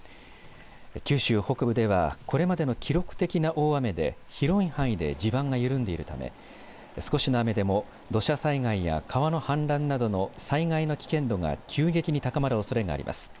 九州北部ではこれまでの記録的な大雨で広い範囲で地盤が緩んでいるため少しの雨でも土砂災害や川の氾濫などの災害の危険度が急激に高まるおそれがあります。